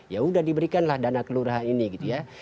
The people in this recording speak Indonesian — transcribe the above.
ya udah diberikanlah dana kelurahan ini gitu ya